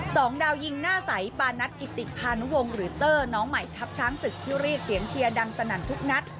สองดาวยิงหน้าใสปานัทกิติพานุวงศ์หรือเตอร์น้องใหม่ทัพช้างศึกที่เรียกเสียงเชียร์ดังสนั่นทุกนัด